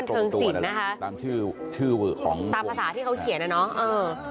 ตามภาษาที่เขาเขียนนะเนาะ